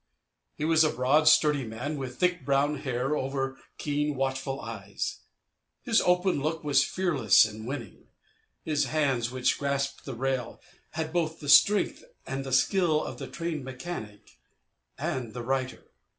He was a broad, sturdy man, with thick brown hair over keen watchful eyes. His open look was fearless and winning. His hands, which grasped the rail, had both the strength and the skill of the trained mechanic and the writer.